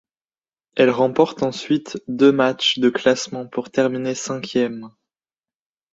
Elles remportent ensuite deux matchs de classement pour terminer cinquième.